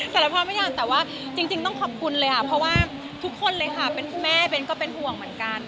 สารภาพไม่ได้อ่านแต่ว่าจริงต้องขอบคุณเลยค่ะเพราะว่าทุกคนเลยค่ะเป็นแม่ก็เป็นห่วงเหมือนกัน